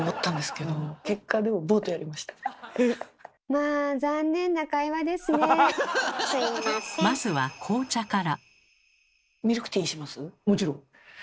まあまずは紅茶から。